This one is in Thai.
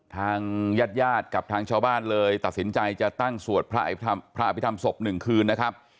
ทางญาติญาติกับทางชาวบ้านเลยตัดสินใจจะตั้งสวดพระอภิษฐรรมศพ๑คืนนะครับ